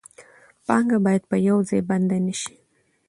پانګه باید په یو ځای بنده نشي.